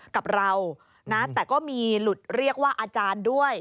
กับเรานะแต่ก็มีหลุดเรียกว่าอาจารย์ด้วย